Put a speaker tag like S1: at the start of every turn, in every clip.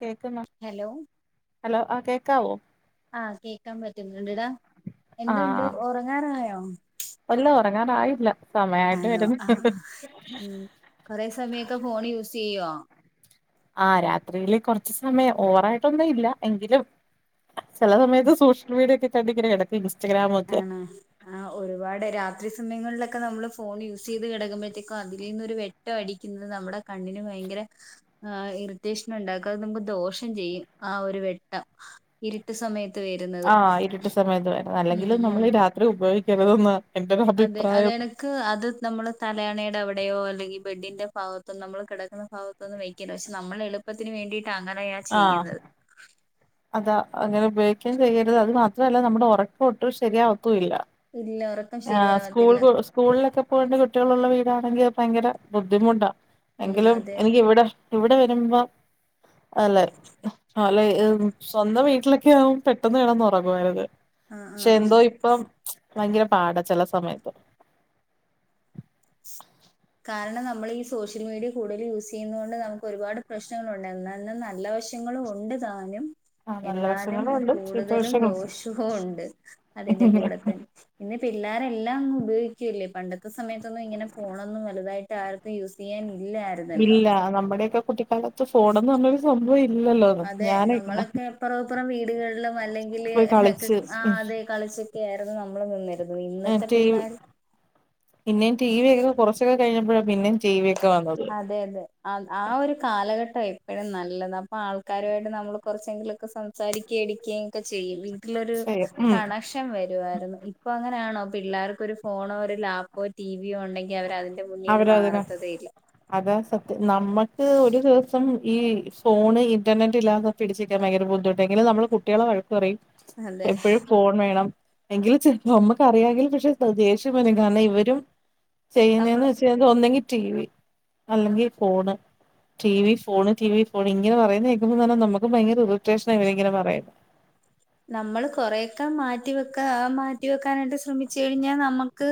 S1: കേക്കുന്നോ
S2: hello
S1: hello ആഹ് കേൾക്കാവോ
S2: ആഹ് കേക്കാൻ പറ്റുന്നുണ്ട്ടാ എന്തുണ്ട്
S1: ആഹ്
S2: ഉറങ്ങാറായോ
S1: ഇല്ല ഉറങ്ങാറായില്ല സമയായിട്ട്
S2: ആണോ
S1: വരുന്നു
S2: ആഹ് ഉം കൊറെ സമയൊക്കെ ഫോൺ യൂസ് ചെയ്യുവോ
S1: ആഹ് രാത്രിയിൽ കുറച്ച് സമയം ഓവറായിട്ടൊന്നും ഇല്ല എങ്കിലും ചില സമയത്ത് സോഷ്യൽ മീഡിയക്കെ കണ്ട് കിടക്കും ഇസ്റ്റഗ്രാ
S2: ആണോ ആഹ് ഒരുപാട് രാത്രി സമയങ്ങളിലൊക്കെ നമ്മള് ഫോൺ യൂസ് ചെയ്ത് കിടക്കുമ്പോഴത്തേക്കും അതിൽ നിന്നൊരു വെ ട്ടം അടിക്കുന്നത് നമ്മുടെ കണ്ണിന് ഭയങ്കര ആഹ് ഇറിറ്റേഷൻ ഉണ്ടാക്കും നമുക്ക് ദോഷം ചെയ്യും ആ ഒരു വെട്ടം ഇരുട്ട് സമയത്ത് വരുന്നത് ഉം
S1: അല്ലെങ്കിൽ
S2: ഉം
S1: നമ്മൾ രാത്രി ഉപയോഗിക്കരുതൊന്ന്
S2: അതെ അതെട ക്ക് അത് നമ്മൾ തലയാണയുടെ അവിടെയോ അല്ലെങ്കിൽ ബെഡിന്റെ ഭാഗത്തും നമ്മൾ കിടക്കുന്ന ഭാഗ ന്നും വക്കില്ല പക്ഷെ നമ്മളെ എളുപ്പത്തിന് വേണ്ടിട്ട് അങ്ങനെയാ
S1: ആഹ്
S2: ചെയ്യുന്നത്
S1: അതാ അങ്ങനെ ഉപയോഗിക്കൻ ചെയ്യരുത് അത് മാത്രല്ല നമ്മുടെ ഉറക്കൊട്ടും ശരിയാവത്തുംല്ല
S2: ഇല്ല ഉറക്കം ശരിയാവത്തില്ല
S1: സ്കൂളിലൊക്കെ പോകേണ്ട് കുട്ടികളള്ള വീടാണെങ്കിൽ ഭയങ്കര ബുദ്ധിമുട്ടാ
S2: ഉം
S1: എങ്കിലും
S2: അതെ
S1: എനിക്ക് ഇവിടെ ഇവിടെ വരുമ്പം അല്ലെ അല്ല സ്വന്തം വീട്ടിലൊക്കെ ആവും പെട്ടെന്ന് കിടന്ന് ഉറങ്ങുവാരിന്ന്
S2: ആഹ്
S1: പക്ഷെ
S2: ആഹ് ആഹ്
S1: എന്തോ ഇപ്പം ഭയങ്കര പാടാ ചില സമയത്ത്
S2: കാരണം നമ്മൾ ഈ സോഷ്യൽ മീഡിയ കൂടുതൽ യൂസ് ചെയ്യുന്നത് കൊണ്ട് നമുക്ക് ഒരുപാട് പ്രശ്നങ്ങളുണ്ട് എന്നാലും നല്ല വ ശങ്ങളും ഉണ്ട് താനും
S1: ആ നല്ല
S2: എന്നാലും
S1: വശങ്ങളും ഉണ്ട് ചീത്ത
S2: കൂടുതലും
S1: വശങ്ങളും
S2: ദോഷവും ഉണ്ട് അതിന്റെ കൂടെ തന്നെ പിന്നെ പിള്ളോര എല്ലാം അങ്ങ് ഉപയോഗിക്കല്ലേ പണ്ടത്തെ സമയത്തൊന്നും ഇങ്ങനെ ഫോണൊന്നും വലുതായിട്ട് ആർക്കും യൂസ് ചെയ്യൻ ഇല്ലായിരുന്നല്ലോ
S1: ആഹ് നമ്മുടെയ ഒക്കെ കുട്ടിക
S2: അതെ
S1: ഞാന്
S2: നമ്മളൊക്കെ അപ്പറപ്പുറം വീടുകളില് അല്ലെങ്കില്
S1: ശ് ഉം
S2: അതെ കളിച്ചൊക്കെ ആയിരുന്നു നമ്മൾ നിന്നി
S1: റ്റയും പിന്നെ ടി വി ഒക്കെ കുറച്ചൊക്കെ കഴിഞ്ഞപ്പോഴാ പിന്നെയും ടി വി ഒക്കെ വന്നത്
S2: അതെ അതെ ആഹ് ഒരു കാലഘട്ടം എപ്പോഴും നല്ലത് അപ്പൊ ആൾക്കാരുമായിട്ട് നമ്മൾ കുറച്ചെങ്കിലുമൊക്കെ സം സംസാരിക്ക എടിക്കയും ഒക്കെ ചെയ്യും വീട്ടിലൊരു
S1: ശരി ഉം
S2: കണ വരുവയിരുന്നു ഇപ്പൊ അങ്ങനെയാണോ പിള്ളേർക്കൊ ഒരു ഫോണോ ഒരു ലാപ്പോ ടിവിയോ ഉണ്ടെങ്കിൽ അവര്
S1: അവര അതിന അതാ സത്യം നമ്മുക്ക് ഒരു ദിവസം ഈ ഫോണ് ഇന്റർനെറ്റ് ഇല്ലാതെ പിടിച്ക്കാൻ ഭയങ്കര ബുദ്ധിമുട്ട എങ്കിലും നമ്മള് കുട്ടികളെ വഴക്കറയും
S2: അതെ
S1: എപ്പോഴും ഫോൺ വേണം എങ്കിലും ചെ നമ്മുക്ക് അറിയാമെങ്കിൽ പക്ഷെ ദേഷ്യം വരും കാരണം ഇവരും
S2: നമ്മൾ
S1: ചെയ്യുന്നതെന്ന് വ ചെയത് ഒന്നെങ്കി ടി വി അല്ലെങ്കിൽ phone T V phone T V phone ഇങ്ങനെ പറയുന്ന കേക്കുമ തന്നെ നമുക്ക് ഭയങ്കര ഇറിട്ടെഷന വരും ഇങ്ങനെ പറയുന്നത്
S2: നമ്മൾ കൊറെേയൊക്കെ മാറ്റി വെക്കാ മാറ്റി വെക്കാനായിട്ട് ശ്രമിച്ചു കഴിഞ്ഞാൽ നമ്മ ക്ക്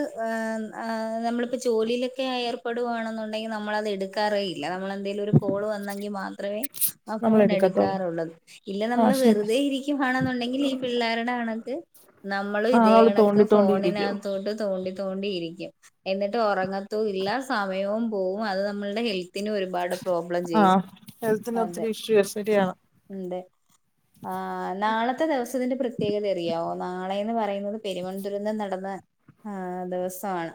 S2: നമ്മളിപ്പോ ജോലിയിലൊക്കെ ഏർപ്പെടുകയാണെന്നുണ്ടെങ്കി നമ്മളത് എടുക്കാറേ ഇല്ല നമ്മള എപ്പോളെങ്കിലും ഒരു കാൾ വന്നെങ്കിൽ മാത്രമേ ആഫോൺ
S1: നമ്മളെടുക്കത്തൊള്ളൂ
S2: എടുക്കാറുള്ളത് ഇല്ലേൽ നമ്മൾ
S1: ആഹ് ശരി
S2: വെറുതെ ഇരിക്ക വാണെന്നുണ്ടെങ്കിൽ ഈ പിള്ളേരുടെ കണക്ക് നമ്മളും
S1: ആഹ്
S2: ഇതേ
S1: നമ്മള്
S2: കണക്ക്
S1: തോണ്ടി
S2: ഫോണിന്
S1: തോണ്ടിയിരിക്കും
S2: അകത്തോട്ട് തോണ്ടി തോണ്ടി ഇരിക്കും എന്നിട്ട് ഉറങ്ങത്തും ഇല്ല സമയവും പോവും അത് നമ്മളുടെ ഹെൽത്തിനും ഒരു ഒരുപാട് പ്രോബ്ലം ചെയ്യും അതെ
S1: ശരി ശരിയാണ്
S2: ഉണ്ട് ആഹ് നാളെത്തെ ദിവസത്തിന്റെ പ്രത്യേകത അറിയാവോ നാളെ എന്ന് പറയുന്നത് പെരുവൻദുരന്തം നടന്ന ആഹ് ദിവസം ആണ്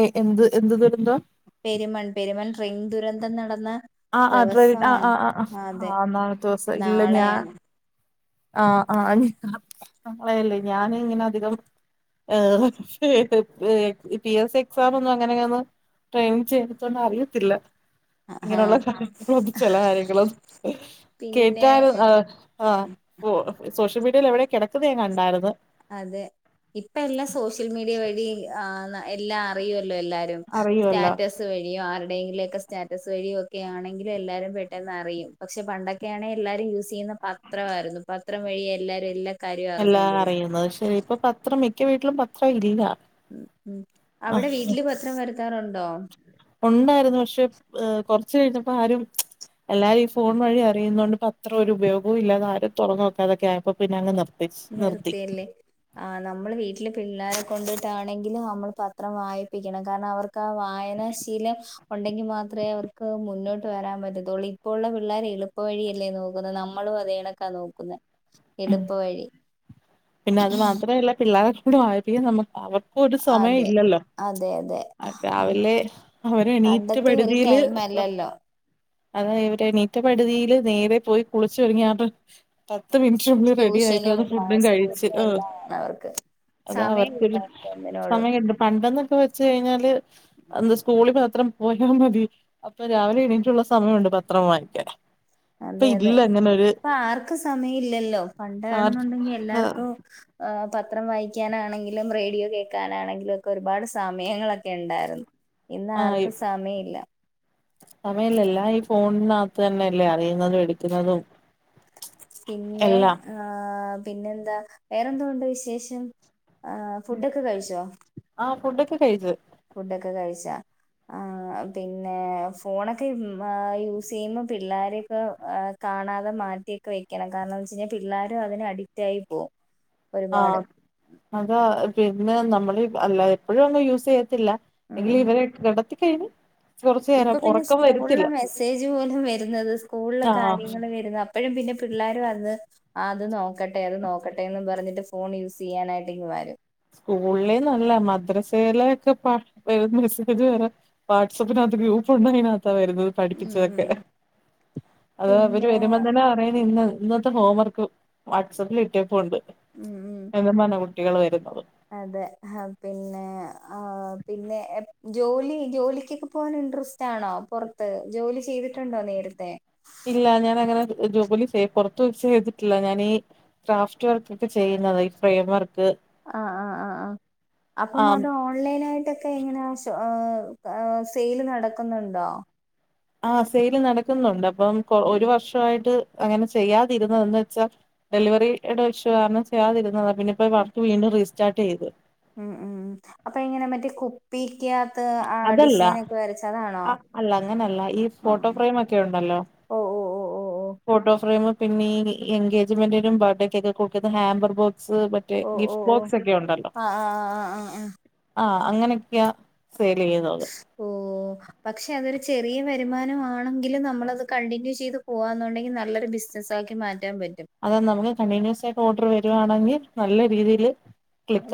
S1: എ എന്ത്. എന്ത് ദുരന്തം
S2: പെരുമൺ പെരുമൺ ഡ്രിങ് ദുരന്തം നടന്ന
S1: ആഹ് ആഹ് ട്രെയിൻ ആഹ്
S2: ദിവസമാണ്
S1: ആഹ്
S2: അതെ
S1: ആഹ് നാളത്തെ ദിവസം ഇല്ല ഞാൻ
S2: നാളെയാണ്
S1: ആഹ് ആഹ് അതല്ലെയ്‌ ഞാന് ഇങ്ങനെ അധികം ഏ പി എസ് സി എക്സാം ഒന്നും അങ്ങനെയൊന്നും പ്രേമിച്ചെത്കൊണ്ട് അറിയത്തില്ല
S2: ആ
S1: ഇങ്ങനെയുള്ള കാര്യങ്ങളും ചില കാര്യങ്ങളും
S2: പിന്നെ
S1: കേട്ടാൽ ആഹ് ആഹ് സോഷ്യൽ മീഡിയയിൽ എവിടെയോ കിടക്കുന്നത് ഞാൻ കണ്ടാരുന്നു
S2: അതെ ഇപ്പൊ എല്ലാം സോഷ്യൽ മീഡിയ വഴി ആഹ് എല്ലാം അറിയുമല്ലോ എല്ലാരും
S1: അറിയുവല്ലോ
S2: സ്റ്റാറ്റസ് വഴിയോ ആരുടെയെങ്കിലുമൊക്കെ സ്റ്റാറ്റസ് വഴിയോ ഒക്കെ ആണെങ്കിലും എല്ലാരും പെട്ടെന്ന് അറിയും പക്ഷെ പണ്ടൊക്കെയാണെ എല്ലാരും യൂസ് ചെയ്യുന്നത് മാത്രമായിരുന്നു പത്രം വഴി എല്ലാരും എല്ലാം
S1: എല്ലാം അറിയുന്നത് പക്ഷെ ഇപ്പൊ പത്രം മിക്ക വീട്ടിലും പത്രം ഇല്ല
S2: ഉം ഉം
S1: ആ
S2: അവിടെ വീട്ടില് പത്രം വരുത്താറുണ്ടോ
S1: ഉണ്ടായിരുന്നു പക്ഷെ കുറച്ചു കഴിഞ്ഞപ്പോ ആരും എല്ലാരും ഈ ഫോൺ വഴി അറിയുന്നത് കൊണ്ട് പ അത്ര ഒരു ഉപയോഗം ഇല്ലാതെ ആരും തുറന്ന് നോക്കാതെക്കേ ആയപ്പോ പിന്നെ അങ് നിർത്തി നിർത്തി
S2: നിർത്തിയല്ലേ ആഹ് നമ്മള് വീട്ടില് പിള്ളാരെ കൊണ്ടിട്ടാണെങ്കിലും നമ്മൾ പത്രം വായിപ്പിക്കണം കാരണം അവർക്ക് ക്ക് ആ വായനാശീലം ഉണ്ടെങ്കിൽ മാത്രമേ അവർക്ക് മുന്നോട്ട് വരാൻ പറ്റത്തുള്ളൂ ഇപ്പോഴുള്ള പിള്ളേർ എളുപ്പ വഴിയല്ലേ നോക്കുന്നത് നമ്മളുംപറയണ ക്ക നോക്കുന്നെ എളുപ്പ വഴി
S1: പിന്നെ അത് മാത്രമല്ല പിള്ളോരെക്കൊണ്ട് വായിപ്പിക്കാൻ നമക്ക് അവർക്കും ഒരു സമയം
S2: അതെ
S1: ഇല്ലല്ലോ
S2: അതെ അതെ
S1: രാവിലെ അവർ എണീറ്റ
S2: പണ്ടത്തെ ഒരു
S1: പടുതിയില്
S2: ടൈം അല്ലല്ലോ
S1: അതെ ഇവർ എണീറ്റ പടുതിയിൽ നേരെ പോയി കുളിച്ചൊരുങ്ങി പത്ത് മിനുട്ടിനുള്ളിൽ റെഡിആയിട്ട്
S2: ട്യൂഷനും
S1: വേണം ഫുഡും കഴി
S2: ക്ലാസ്സും
S1: ഹ്
S2: എല്ലാം ആണ് അവർക്ക്
S1: അത്
S2: സമയം
S1: അവർക്കൊരു
S2: കിട്ടാ ഒന്നിനോടും
S1: സമയം ണ്ട് പണ്ടെന്നൊക്കെ വെച്ച് കഴിഞ്ഞാല് സ്കൂളിൽ മാത്രം പോയാൽ മതി അപ്പൊ രാവിലെ എണീട്ടുള്ള സമയമുണ്ട് പത്രം വായിക്കാൻ ഇപ്പൊ
S2: അതെ അതെ
S1: ഇല്ല അങ്ങനെ ഒരു
S2: ഇപ്പൊ ആർക്കും സമയം ഇല്ലല്ലോ
S1: ആർ
S2: പണ്ടാണെന്നുണ്ടെങ്കിൽ എല്ലാർക്കും പത്രം വായിക്കാനാണെങ്കിലും റേഡിയോ കേൾക്കാനാണെങ്കിലും ഒക്കെ ഒരുപാട് സമയങ്ങളൊക്കെ ഉണ്ടായിരുന്നു ഇന്ന് ആർക്കും സമയം ഇല്ല
S1: സമയമില്ല എല്ലാം ഈ ഫോണിനകത്ത് തന്നെയല്ലേ അറിയുന്നതും എടുക്കുന്നതും
S2: പിന്നെ
S1: എല്ലാം
S2: ആ പിന്നെന്താ വേറെന്തുണ്ട് വിശേഷം ആഹ് ഫുടൊക്കെ കഴിച്ചോ
S1: ആഹ് ഫുടൊക്കെ കഴിച്ചു
S2: ഫുഡൊക്കെ കഴിച്ചാ ആഹ് പിന്നെ ഫോണൊക്കെ മ്മ് യൂസ് ചെയ്യുമ്പോ പിള്ളാരെയൊക്കെ കാണാതെ മാറ്റിയൊക്കെ വെക്കണം കാരണം എന്തന്ന് വെച്ച് കഴിഞ്ഞാൽ പിള്ളാരും അതിനു അഡിക്റ്റ് ആയി പോവും ഒരുപാട്
S1: ആഹ് അത് പിന്നെ നമ്മള് അല്ല പിന്നെ എപ്പോഴും ഒന്നും യൂസ് ചെയത്തില്ല
S2: ഉം
S1: എങ്കിലും ഇവരെ ഒക്കെ കിടത്തി കഴിഞ്ഞു
S2: ഇപ്പോ പിന്നെ സ്കൂളിലെ മെസ്സേജ് പോലും വരുന്നത് സ്കൂളിലെ
S1: ആഹ്
S2: കാര്യങ്ങൾ വരുന്നത് എപ്പോഴും പിന്നെ പിള്ളേർ വന്ന് ആഹ് അത് നോക്കട്ടെ അത് നോക്കട്ടെന്ന് പറഞ്ഞിട്ട് ഫോൺ യൂസ് ചെയ്യാനായിട്ടിങ്ങുവരും
S1: സ്കൂളില നല്ല മദ്രസയില ഒക്കെ മസേജ് വരാ വാട്ട്സ്ആപ്പിനകത്ത് ഗ്രൂപ്പ് ഉണ്ട് അതിനകത്തവരുന്നത്
S2: ഉം
S1: പഠിപ്പിച്ചതൊക്കെ
S2: ഉം
S1: അത് അവര്
S2: പിന്നെ
S1: വരുമ്പോ തന്നെ പറയും ഇന്ന് ഇ ഇ ഹോം വർക്ക് വാട്സആപ്പിൽ ഇട്ടിട്ടുണ്ട് ഉണ്ട്
S2: ഉം ഉം
S1: എന്നും പറഞ്ഞ കുട്ടികൾ വരുന്നത്
S2: അതെ പിന്നെ പിന്നെ ജോലി ജോലിക്കൊക്കെ പോവാൻ ഇൻട്രസ്റ്റ് റ്റാണോ പുറത്ത് ജോലി ചെയ്തിട്ടുണ്ടോ നേരത്തെ
S1: ഇല്ല ഞാനങ്ങനെ ജോലി ചെയ പുറത്ത വ ചെയ്തിട്ടില്ല ഞാനീ ക്രാഫ്റ്റ് വർക്ക് ഒക്കെ ചെയ്യുന്നതാണ് ഈ ഫ്രെയിം വർക്ക്
S2: ആഹ് ആഹ് ആ് ആഹ്
S1: ആ
S2: അപ്പം അത് ഓൺലൈൻ ഓൺലൈനായിട്ടൊക്കെ എങ്ങനാ സെയിൽ നടക്കുന്നുണ്ടോ
S1: ആ സെയില് നടക്കുന്നുണ്ട് അപ്പം കൊ
S2: ഉം
S1: ഒരു വർഷയിട്ട് അങ്ങനെ ചെയ്യാതിരുന്നതെന്ന് വെച്ചാൽ ഡെലിവറിയുടെ ഇഷ്യൂ കാരണം ചെയ്യാതിരുന്നത് പിന്നെപ്പപ്പോ വർക്ക് വീണ്ടും റീസ്റ്റാർട്ട് ചെയ്തു
S2: ഉം ഉം അപ്പൊ ഇങ്ങനെ മറ്റേ കു
S1: അതല്ല
S2: വരച്ച അതാണോ
S1: ആഹ് അല്ല അങ്ങനെയല്ല ഈ ഫോട്ടോ
S2: ആഹ്
S1: ഫ്രെയിം ഒക്കെ ഉണ്ടല്ലോ [inaudible]
S2: ഓ ഓ ഓ ഓ
S1: ഫോട്ടോ ഫ്രെയിം പിന്നെ ഈ എൻഗേജ്മെന്റിനും ബർത്ത്ഡേയ്ക്കെ കൊടുക്കത് ഹാമ്പർ ബോക്സ് മറ്റേ
S2: ഓ ഓ ഓ
S1: ഗിഫ്റ്റ്
S2: ഓ
S1: ബോക്സ് ഒക്കെ ഉണ്ടല്ലോ
S2: ആഹ് ആഹ് ആഹ് ആഹ്
S1: ആഹ് അങ്ങനെയൊക്കെയ സെയിൽ ചെയ്യുന്നത്
S2: ഓഹ് പക്ഷെ അതൊരു ചെറിയ വരുമാനമാണെങ്കിലും നമ്മളത് കണ്ടിന്യൂ ചെയ്ത് പോവാന്നുണ്ടെങ്കി നല്ലൊരു ബിസ് നസാക്കി മാറ്റാൻ പറ്റും
S1: അതോ നമുക്ക് കണ്ടിന്യൂസ് ആയിട്ട് ഓർഡറ് വരുവാണെങ്കി നല്ല രീതിയില്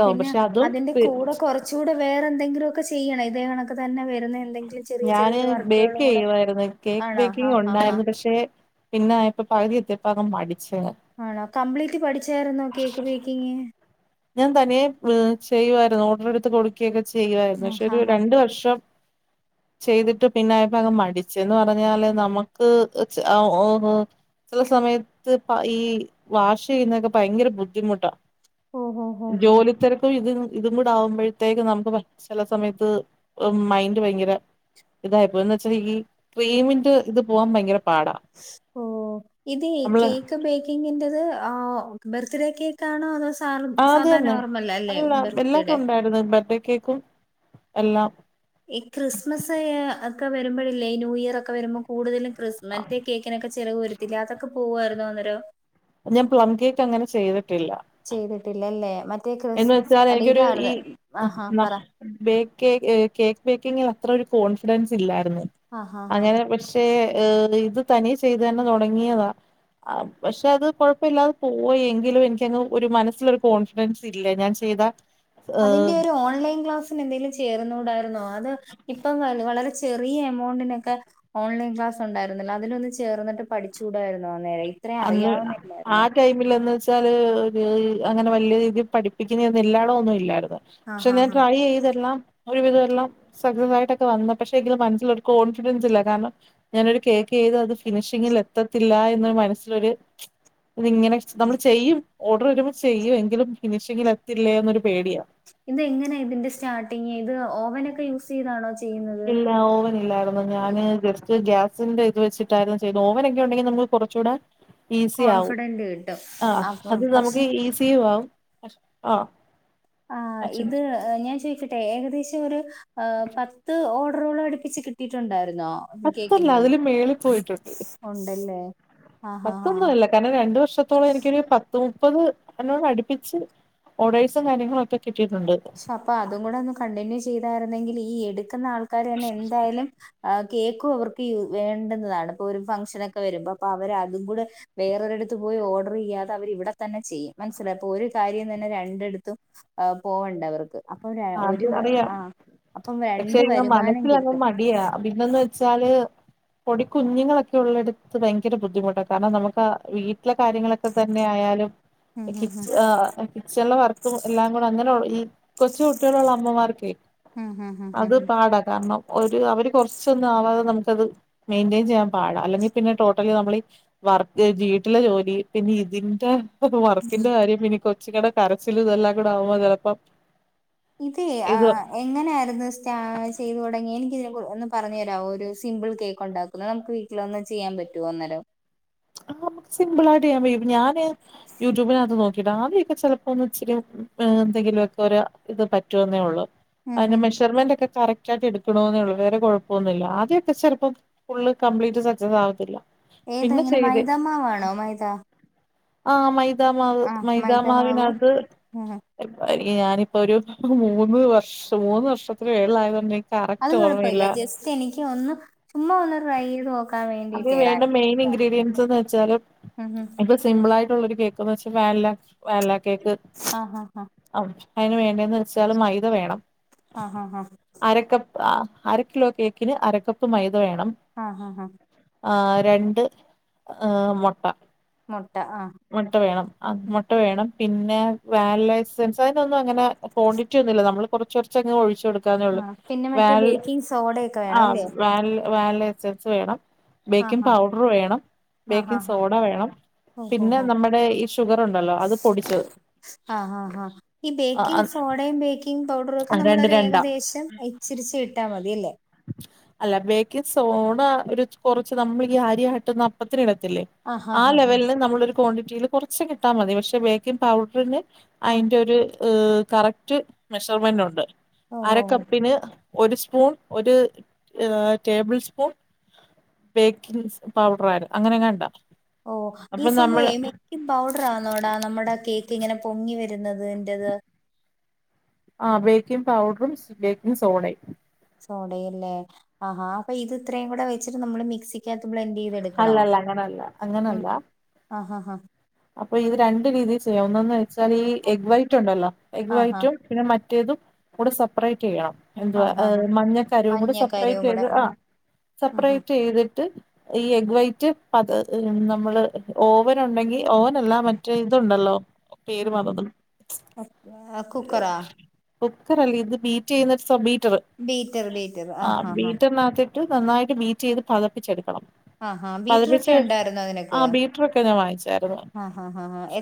S2: പിന്നെ അതിന്റെ കൂടെ കുറച്ചൂടെ വേറെ എന്തെങ്കിലൊക്കെ ചെയ്യണ ഇതേ കണക്ക് തന്നെ വരുന്നെ
S1: ഞാന് ബേക്ക് ചെയ്യുവായിരുന്നു കേക്ക്
S2: ആണോ ആഹ്
S1: ബേക്കിങ്
S2: ആഹ് ആഹ്
S1: ഉണ്ടായിരുന്നു പക്ഷെ പിന്നെ ആയപ്പോ പകുതി എത്തിപ്പോ അങ്ങ് മടിച്ചങ്ങ്
S2: ആണോ, കംപ്ലീറ്റ് പഠിച്ചായിരുന്നോ കേക്ക് ബേക്കിങ്?
S1: ഞാൻ തനിയെ ഏഹ് ചെയ്യുവായിരുന്നു ഓർഡർ എടുത്ത് കൊടു ക്കെ ചെയ്യുവായിരുന്നു പക്ഷെ
S2: ആഹ്
S1: ഒരു
S2: ആഹ് ആഹ്
S1: രണ്ട് വർഷം ചെയ്തിട്ട് പിന്നായപ്പോ അങ്ങ് മടിച്ച് എന്ന് പറഞ്ഞാല് നമുക്ക് ഓ ചില സമയത്ത് ഈ വാഷ് ചെയ്യുന്നൊക്കെ ഭയങ്കര ബുദ്ധിമുട്ടാ
S2: ഓഹോ
S1: ജോലി തിരക്ക് ഇപ്പൊ ഇത് ഇതും കൂടെ ആവുമ്പഴത്തേക്ക് നമുക്ക് ചില സമയത്ത് മൈൻഡ് ഭയങ്കര ഇതായിപ്പോ എന്ന് വെച്ചാ ഈ ക്രീമിൻ്റെ ഇത് പോവാൻ ഭയങ്കര പാടാ
S2: ഓ ഇതേ
S1: നമ്മള്
S2: കേക്ക് ബേ കിങ്ങിൻ്റെ ഇത് ഏഹ് ബർത്ത്ഡേ കേക്കാണോ അതോ [unintelligible]
S1: ആഹ് അത്
S2: സാധാ
S1: തന്നെ
S2: നോർമൽ അല്ലേ
S1: അതല്ലെടാ
S2: ബർത്ത്ഡേ
S1: എല്ലാക്കുണ്ടായിരുന്നു ബർഡേ കേക്കും എല്ലാം
S2: ഈ ക്രിസ്മസ് ഒക്കെ വരുമ്പഴില്ലേ ഈ ന്യൂ ഇയർ ഒക്കെ വരുമ്പോ കൂടുതലും ക്രിസ് മറ്റേ കേക്കിനൊക്കെ ചെലവ് വരുത്തില്ലേ അതൊക്കെ പോകവായിരുന്നോ അന്നേരം
S1: ഞാൻ പ്ലം കേക്ക് അങ്ങനെ ചെയ്തിട്ടില്ല
S2: ചെയ്തിട്ടില്ലല്ലേ മറ്റേ
S1: എന്ന്
S2: ക്രിസ്മസ്
S1: വെച്ചാൽ
S2: അല്ല
S1: എനിക്കൊരു ഈ
S2: ഇതാർന്ന് ആഹാ പറ
S1: ബേക്ക് കേക്ക് ഏഹ് കേക്ക് ബേക്കിങ്ങിലത്ര ഒരു കോൺഫിഡൻസ് ഇല്ലായിരുന്ന്
S2: ആഹാ ഹാ
S1: അങ്ങനെ പ ഏഹ് ഏഹ് ഇത് തനിയേ ചെയ്ത് തന്നെ തുടങ്ങിയതാ. ആ പക്ഷെ അത് കൊഴപ്പില്ലാതെ പോയി എങ്കിലും എനിക്കങ്ങ് ഒരു മനസ്സിലൊരു കോൺഫിഡൻസ് ഇല്ല ഞാൻ ചെയ്താ
S2: അതിന്റെ ഒരു ഓൺലൈൻ ക്ലാസ് എന്തേലും ചേർന്നൂടായിരുന്നോ അത് ഇപ്പം വ വളരെ ചെറിയ എമൗണ്ടിനൊക്കെ ഓൺലൈൻ ക്ലാസുണ്ടായിരുന്നില്ലാ അതിലൊന്ന് ചേർന്ന്ട്ട് പഠിചൂടായിരുന്നോ നേ
S1: അന്ന് ആഹ് ടൈ മില്ലെന്ന്ച്ചാല് ഒരു അങ്ങനെ വല്ല്യ രീതിയി പഠിപ്പിക്കുന്ന ഒന്നും എല്ലായിടം ഒന്നും ഇല്ലായിര്ന്ന്
S2: ആഹ്
S1: പക്ഷെ ഞാൻ
S2: ആഹ് ആഹ്
S1: ട്രൈ ചെയ്തെല്ലാം ഒരു വിധം എല്ലാം സക്സസ് ആയിട്ടൊക്കെ വന്നു, പക്ഷെ എങ്കിലും മനസ്സിലൊരു കോൺഫിഡൻസ് ഇല്ല കാരണം ഞാനൊരു കേക്കെയ്ത് അത് ഫിനിഷിങ്ങിൽ എത്തത്തില്ല എന്ന് മനസ് ലൊര് ഇതിങ്ങനെ നമ്മള് ചെയ്യും ഓഡറ് വരുമ്പോ ചെയ്യും എങ്കിലും ഫിനിഷിങ്ങിലെത്തില്ലേന്നൊരു പേടിയാ
S2: ഇത് എങ്ങനാ ഇതിന്റെ സ്റ്റാർട്ടിങ് ഇത് ഓവനൊക്കെ യൂസ് ചെയ്താണോ ചെയ്യുന്നത്?
S1: ഇല്ല ഓവനില്ലായിരുന്നു ഞാന് ജസ്റ്റ് ഗ്യാസ് സ്ന്റെ ഇത് വെച്ചിട്ടായിരുന്നു ചെയ്തെ ഓവനൊക്കെ ഉണ്ടെങ്കി നമുക്ക് കൊറച്ചൂടെ ഈസി ആവും
S2: കോൺഫിഡന്റ് കിട്ടും
S1: ആഹ്
S2: അപ്പൊ
S1: അത്
S2: പക്ഷെ
S1: നമുക്ക് ഈസിയും ആവും [unintelligible] ആഹ്
S2: ആഹ്
S1: പക്ഷെ
S2: ഇത് ഏഹ് ഞാൻ ചോയ്ക്കട്ടെ ഏകദേശം ഒര് ഏഹ് പത്ത് ഓർഡറോളം അട്പ്പിച്ച് കി ട്ടിട്ടുണ്ടായിരുന്നോ?
S1: പത്തല്ല അതിലും മേളി പോയിട്ടുണ്ട്.
S2: ഉണ്ടല്ലേ ആഹ് ആഹ് ആഹ്
S1: പത്തൊന്നുല്ല കാരണം രണ്ട് വർഷത്തോളം എനിക്കൊരു പത് ത്ത്‌ മുപ്പത് അതിനോട് അടിപ്പിച്ച് ഓഡേഴ്സും കാര്യങ്ങളോക്കെ കിട്ടിയിട്ടുണ്ട്.
S2: പക്ഷെ അപ്പൊ അതും കൂടെ ഒന്ന് കണ്ടിന്യൂ ചെയ്തായിരുന്നെങ്കിൽ ഈ എടുക്കുന്ന ആൾക്കാര് തന്നെ എന്തായാലും ആഹ് കേക്കും അവർക്ക് വേണ്ടന്നതാണ് ഇപ്പൊ ഒരു ഫങ്ഷനൊക്കെ വരുമ്പോ അപ്പ അവര് അതും കൂടെ വേറൊരിടത്ത് പോയി ഓർഡർ ചെയ്യാതെ അവര് ഇവടെ തന്നെ ചെയ്യും മനസ്സിലായൊ അപ്പൊ ഒര് കാര്യം തന്നെ രണ്ടട്ത്തും ആഹ് പോവണ്ട അവർക്ക് പ്പൊരെ
S1: അത്
S2: ഒരു
S1: അറിയാം
S2: ആഹ് അപ്പം രണ്ട് വരുമാനം കിട്ടും
S1: പിന്നോന്ന് വെച്ചാല് പൊടി കുഞ്ഞുങ്ങളൊക്കെ ഉള്ളടത്ത് ഭയങ്കര ബുദ്ധിമുട്ടാ കാരണം നമുക്കാ ആഹ വീ ട്ടിലെ കാര്യങ്ങളൊക്കെ തന്നെ ആയാലും
S2: ഉം ഉം
S1: കിച്ച കിച്ചണ്ലെ വർക്കും എല്ലാം കൂടെ അങ്ങനെ ഈ കൊചൂ ട്ട്യോളുള്ള അമ്മമാർക്കെ
S2: ഉം ഉം ഉം ഉം ഉം
S1: അത്
S2: ഉം
S1: പാടാ കാരണം ഒരു അവര് കൊറ്ച്ചൊന്ന് ആവാതെ നമുക്കത് മെയ്ന്റെയെൻ ചെയ്യാൻ പാടാ അല്ലെങ്കി പിന്നെ ടോട്ടലി നമ്മളി വർക്ക് വീട്ടിലെ ജോലി പിന്നെ ഇതിന്റെ പ്പ വർക്കിന്റെ കാര്യം ഇനി കൊച്ച്ങ്ങളുടെ കരച്ചിലും ഇതെല്ലാം കൂടെ ആവുമ്പോ ച്ചേലപ്പോം
S2: ഇത് ആഹ് എങ്ങനെയായിരുന്നു സ്റ്റാ ചെയ്ത് തൊടങ്ങിയെ എനിക്കിത് നെകു ഒന്ന് പറഞ് തരാവോ ഒരു സിമ്പിൾ കേക്കു ണ്ടാ നമുക്ക് വീട്ടിൽ ഒന്ന് ചെയ്യാൻ പറ്റുമോന്നേരം
S1: ആഹ് സിംമ്പ്ളായിട്ട് ചെയ്യൻ കയ്യും ഞാന് യൂട്യൂബിനകത്ത് നോക്കിട്ടാ ആദ്യോക്കെ ച്ചേ ഒന്ന് ഇച്ചിരി ഏഹ എന്തെങ്കിലോ ക്കെരാ ഇത് പറ്റുവെന്നേ ഒള്ളൂ
S2: ഉം ഉം
S1: അയ്ന്റെ
S2: ഉം.
S1: മെഷർമെന്റ് ഓക്കേ കറക്റ്റ് റ്റായിട്ട് എടുക്കണോ ന്നെയൊള്ളൂ വേറെ കൊഴപ്പോന്നുല്ല ആദ്യൊക്കെ ചെലപ്പോം ഫുള്ള് കംപ്ലീറ്റ് സെക്സസാവത്തില്ല
S2: ഏതാ ഇങ്ങനെ മൈതമാവാണോ മൈത
S1: ആഹ് മൈതാമാവ്
S2: മൈദമാവ്
S1: മൈതാമാവിനത്
S2: ഉം
S1: ഞാനിപ്പൊ ഒരു മൂന്ന് വർഷം മൂന്ന് വർഷത്തിന് മോകളിലായൊണ്ട്
S2: അത് കൊഴപ്പ ഇില്ല ജസ്റ്റ് എനിക്ക് ഒന്ന് ചുമ്മാ ഒന്ന് ട്രൈ ചെയ്ത് നോ
S1: അതിന് വേണ്ട മെയിൻ ഇൻഗ്രീഡിയൻറ്സ് എന്ന് വെച്ചാല്
S2: ഉം ഉം
S1: ഇ സിമ്പിളാ യിട്ടുള്ള ഒരു കേക്ക്ന്ന് വെച്ചാൽ വാനില വാനില കേക്ക്
S2: ആഹ് ആഹ് ആഹ്
S1: അയ്ന് വേണ്ടേന്ന് വെച്ചാല് മൈദ വേണം
S2: ആഹ് ആഹ് ആഹ്
S1: അരക്കപ്പ് അഹ അര ക്കിലോ കേക്കിന് അരക്കപ്പ് മൈദ വേണം
S2: ആഹ് ആഹ് ആഹ്
S1: ആഹ് രണ്ട് മുട്ട
S2: മുട്ട ആഹ്
S1: മുട്ട വേണം ആഹ് മുട്ട വേണം പിന്നെ വാനില ഐസ് സെസാന ഒന്നും അങ്ങന ക്വാണ്ടിറ്റി ഒന്ന ഇല്ല നമ്മൾ കുറച്ച് കുറച്ച്ങ്ങ് ഒഴിച്ചുടുക്കും ക്കനെ ഓളളു
S2: ആഹ് പിന്നെ മറ്റേ
S1: വാനില
S2: ബേക്കിംഗ് സോഡയൊക്കെ വേണം അല്ലേ
S1: വാനില വാനില എസെൻസ് വേണം ബേക്കിംഗ്
S2: ആഹ്
S1: പൗഡർ വേണം
S2: ആഹ്
S1: ബേക്കിംഗ
S2: ആഹ് ആഹ്
S1: സോഡ വേണം
S2: ഓഹ്
S1: പിന്നെ
S2: ഓഹ് ഓഹ്
S1: നമ്മുടെ ഈ ഷുഗർ ഉണ്ടല്ലോ അത് പൊടിച്ചത്
S2: ആഹ് ആഹ് ആഹ് ഈ ബേക്കിംഗ് സോഡ ബേക്കിംഗ പൗഡറും ഒക്കെ നമ്മള
S1: രണ്ട്
S2: ഒരു
S1: രണ്ട
S2: ഏകദേശം ഇച്ചിരിച്ചേ ഇട്ടാ മതിയല്ലേ
S1: അല്ല ബേക്കിംഗ്സോഡ ഒരു കൊറച്ച് നമ്മൾ ഈ ആരിയട്ട്ന്ന് അപ്പത്തിന് ഇടത്തില്ലേ ആഹ് ലെവലിന് നമ്മളൊരു ക്വാണ്ടിറ്റിയിൽ കുറച്ചങ്ങ് ഇട്ട മതി പക്ഷെ ബേക്കിംഗ് പൗഡറിന്
S2: ആഹ്
S1: അയീന്റെ ഒരു കറക്റ്റ് മെഷർമെന്റ് ഉണ്ട്
S2: ഓഹ് ഓഹ്
S1: അരക്കപ്പിന് ഒരു സ്പൂൺ ഒരു ടേബിൾ സ്പൂൺ ബേക്കിങ്സ് പൗഡർ അരുന്ന് അങ്ങനെങ്ങണ്ടാ
S2: ഓ ഈ സംഭവേ ഈ ബേകിങ് ബൗഡർ ആന്നോടാ നമ്മുടെ കേക്ക് ഇങ്ങനെ പൊങ്ങി വരുന്നത്ൻ്റെത്
S1: ആഹ് ബേക്കിംഗ് പൗഡറും ബേക്കിംഗ് സോഡയും
S2: സോഡയല്ലേ ആഹാ അപ്പൊ ഇത് ഇത്രയും കൂടെ വെച്ചിട്ട് നമ്മള് മിക്സി കാത്തെ ബ്ലെൻഡ് ചെയ്ത എടുക്കണോ
S1: അല്ലല്ല അങ്ങനല്ല അങ്ങനല്ല
S2: ആഹ് ആഹ് ആഹ്
S1: അപ്പൊ ഇത് രണ്ട് രീതിയി ചെയ്യാം ഒന്നന്ന് വെച്ചാൽ ഈ എഗ് വൈറ്റ് ഉണ്ടല്ലോ എഗ്
S2: ആഹാ
S1: വൈറ്റും പിന്നെ മറ്റേതും കൂടെ സെപ്പറേറ്റ് ചെയ്യണം എന്തുവാ
S2: ആഹാ ഹാ
S1: മഞ്ഞക്കരും കൂടി സെപ്പറേറ്റ്
S2: മഞ്ഞക്കരയും കൂടെ
S1: ചെയ്ത്
S2: ആ
S1: ആഹ്
S2: ഉം ഉം
S1: സെപ്പറേറ്റ് ചെയ്തിട്ട് ഈ എഗ് വൈറ്റ് പത് നമ്മള് ഓവൻ ഉണ്ടെങ്കിൽ ഓവൻ ല്ല മറ്റേ ഇതുണ്ടല്ലോ പേര്
S2: ഉം.
S1: മറന്ന്
S2: ആ, കുക്കറാ
S1: [unintelligible] കുക്കർല്ല ഇത് ബീറ്റ് ചെയ്യുന്ന ഒരു ബീറ്റർ
S2: ബീറ്റർ ബീറ്റർ
S1: ആ
S2: ആഹാ ഹാ
S1: ബീറ്ററിനകത്തെ മ നന്നായിട്ട് ബീറ്റ് ചെയ്ത് പതപ്പിച്ചെടുക്കണം
S2: ആഹാ ബീറ്റർ ഒക്കെ
S1: പതിപ്പിച്ച്
S2: ഉണ്ടായിരുന്നോ
S1: ആ ബീറ്ററൊക്കെ ഞാൻ വാങ്ങിച്ചായിരുന്നു
S2: ആഹ് ആഹ് ആഹ് ഏ